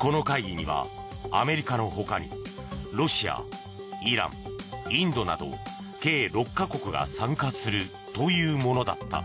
この会議にはアメリカの他にロシア、イラン、インドなど計６か国が参加するというものだった。